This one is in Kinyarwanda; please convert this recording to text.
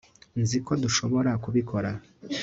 nzi ko dushobora kubikora